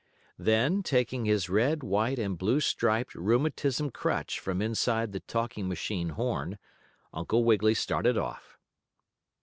Then, taking his red, white and blue striped rheumatism crutch from inside the talking machine horn, Uncle Wiggily started off.